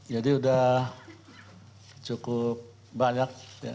jadi udah cukup banyak ya